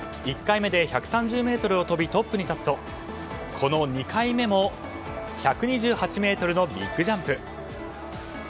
１回目で１３０ｍを飛びトップに立つとこの２回目も１２８ｍのビッグジャンプ。